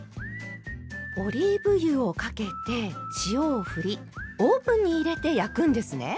オリーブ油をかけて塩をふりオーブンに入れて焼くんですね。